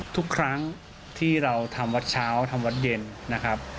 ทุกครั้งที่เราทำวัดเช้าทำวัดเย็นนะครับ